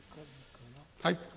はい。